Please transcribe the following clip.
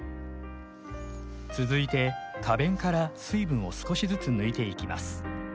続いて花弁から水分を少しずつ抜いていきます。